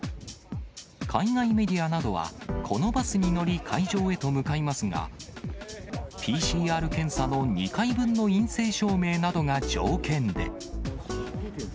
海外メディアなどは、このバスに乗り、会場へと向かいますが、ＰＣＲ検査の２回分の陰性証明などが条件で。